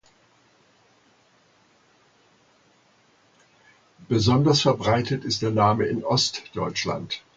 Besonders verbreitet ist der Name in Ostdeutschland.